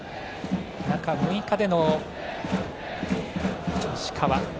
中６日での石川。